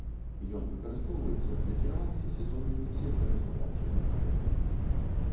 Ён выкарыстоўваецца для кіравання сезоннымі сельскагаспадарчымі работамі.